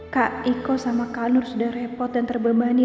kak iko sama kanur sudah repot dan terbebani